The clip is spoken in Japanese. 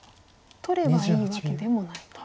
取ればいいわけでもないと。